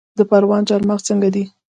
د پروان چارمغز څنګه دي؟